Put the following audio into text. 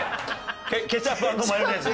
ケチャップ＆マヨネーズ。